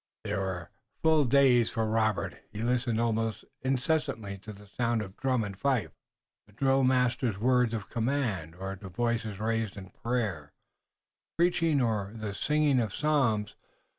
They were full days for Robert. He listened almost incessantly to the sound of drum and fife, the drill master's word of command, or to voices raised in prayer, preaching or the singing of psalms.